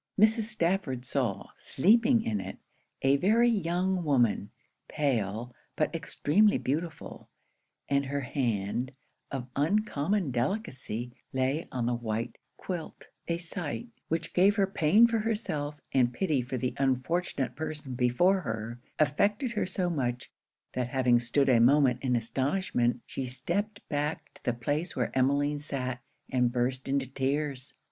Mrs. Stafford saw, sleeping in it, a very young woman, pale, but extremely beautiful; and her hand, of uncommon delicacy, lay on the white quilt A sight, which gave her pain for herself, and pity for the unfortunate person before her, affected her so much, that having stood a moment in astonishment, she stepped back to the place where Emmeline sat, and burst into tears.